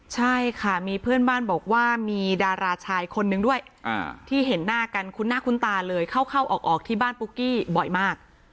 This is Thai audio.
ใช่ค่ะมีเพื่อนบ้านบอกว่ามีดาราชายคนนึงด้วยที่เห็นหน้ากันคุ้นหน้าคุ้นตาเลยเข้าออกที่บ้านปุ๊กกี้บ่อยมาก